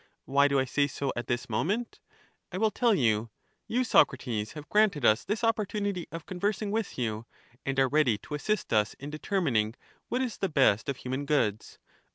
Why do I say so at this moment? I will tell you. You, Socrates, have granted us this opportunity of conversing with you, and are ready to assist us in determining what is the best of human goods.